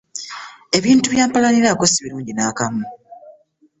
Ebintu bya mpalaniraako si birungi nakamu.